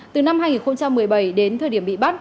từ năm hai nghìn một mươi bảy đến thời điểm bị bắt